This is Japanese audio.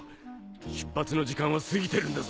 出発の時間は過ぎてるんだぞ。